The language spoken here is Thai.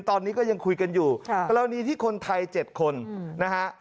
ตอนนี้ก็ยังคุยกันอยู่กรณีที่คนไทย๗คนนะฮะ